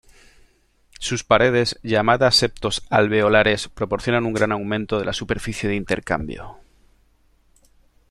Sus paredes, llamadas septos alveolares, proporcionan un gran aumento de la superficie de intercambio.